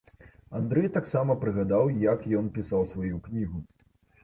Андрэй таксама прыгадаў, як ён пісаў сваю кнігу.